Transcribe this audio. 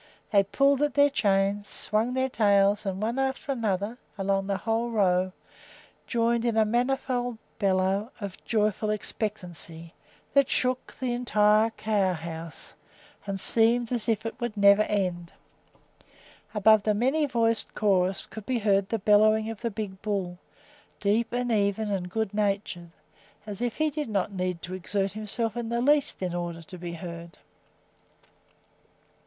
They pulled at their chains, swung their tails, and one after another, along the whole row, joined in a manifold bellow of joyful expectancy that shook the entire cow house and seemed as if it would never end. Above the many voiced chorus could be heard the bellowing of the big bull, deep and even and good natured, as if he did not need to exert himself in the least in order to be heard.